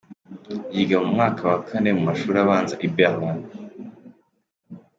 Yiga mu mwaka wa Kane mu mashuri abanza i Berlin.